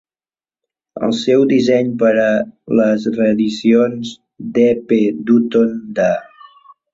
El seu disseny per a les reedicions d'E. P. Dutton de